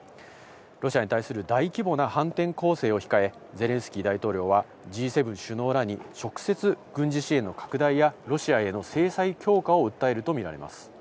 ロシアに対する大規模な反転攻勢を控え、ゼレンスキー大統領はＧ７首脳らに直接、軍事支援の拡大やロシアへの制裁強化を訴えるとみられます。